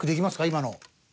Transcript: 今の。